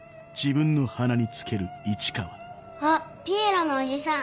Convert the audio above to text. あっピエロのおじさん。